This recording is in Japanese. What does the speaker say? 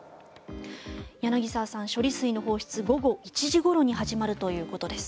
柳澤さん、処理水の放出午後１時ごろに始まるということです。